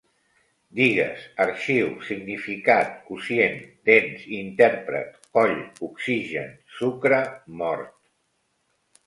Digues: arxiu, significat, quocient, dents, intèrpret, coll, oxigen, sucre, mort